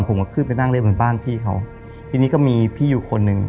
ผมก็ขึ้นไปนั่งเล่นบนบ้านพี่เขาทีนี้ก็มีพี่อยู่คนหนึ่ง